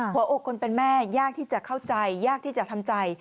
หัวอกคนเป็นแม่ยากที่จะเข้าใจยากที่จะทำใจ